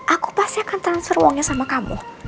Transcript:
aku pasti akan transfer uangnya sama kamu